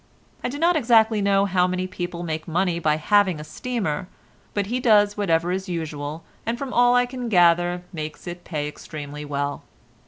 I do not exactly know how people make money by having a steamer, but he does whatever is usual, and from all I can gather makes it pay extremely well.